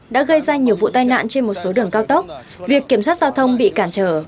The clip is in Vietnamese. đã gây ra nhiều vụ tai nạn trên một số đường cao tốc việc kiểm soát giao thông bị cản trở